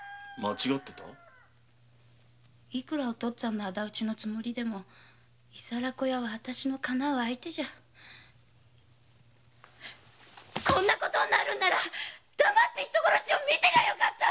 いくらお父っつぁんの仇討ちのつもりでも伊皿子屋はあたしの敵う相手ではこんなことになるんなら黙って人殺しを見ていればよかった！